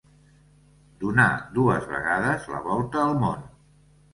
Donà dues vegades la volta al món.